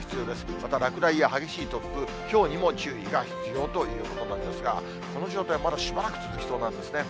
また落雷や激しい突風、ひょうにも注意が必要ということなんですが、この状態、まだしばらく続きそうなんですね。